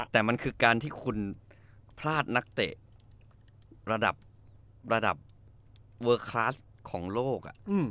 แต่มันคือการที่คุณพลาดนักเตะระดับระดับเวอร์คลาสของโลก